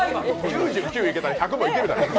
９９いけたら１００もいけるだろ。